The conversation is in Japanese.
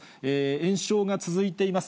延焼が続いています。